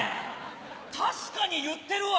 確かに言ってるわ。